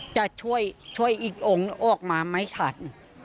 จะช่วยอีกองค์นั้นออกมาไหมทัน